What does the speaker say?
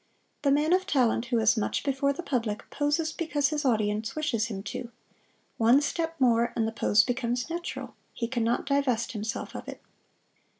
The man of talent who is much before the public poses because his audience wishes him to; one step more and the pose becomes natural he can not divest himself of it.